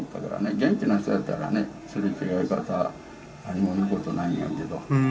元気な人だったらね、すれ違いざま何も言うことないんだけど。